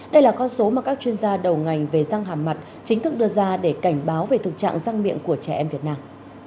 đây là con số mà các chuyên gia đầu ngành về răng hàm mặt chính thức đưa ra để cảnh báo về thực trạng răng miệng của trẻ em việt nam